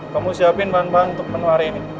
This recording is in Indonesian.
kamu siapin bahan bahan untuk menu hari ini